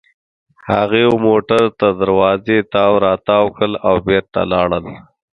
هغوی موټر تر دروازې تاو راتاو کړل او بېرته لاړل.